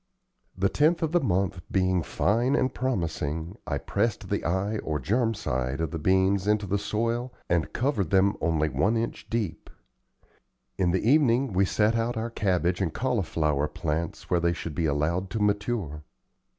The 10th of the month being fine and promising, I pressed the eye or germ side of the beans into the soil and covered them only one inch deep. In the evening we set out our cabbage and cauliflower plants where they should be allowed to mature.